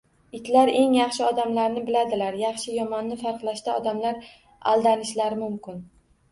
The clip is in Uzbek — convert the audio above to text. Itlar eng yaxshi odamlarni biladilar, yaxshi-yomonni farqlashda odamlar aldanishlari mumkin